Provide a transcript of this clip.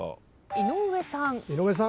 井上さん。